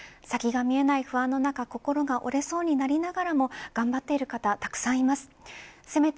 先が見えない不安の中心が折れそうになりながらも頑張っている方はたくさんいます。